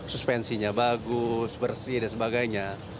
suspensinya bagus bersih dan sebagainya